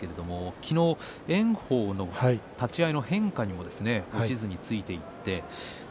昨日、炎鵬の立ち合いの変化に落ちずについていきました。